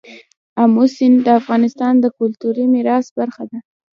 آمو سیند د افغانستان د کلتوري میراث برخه ده.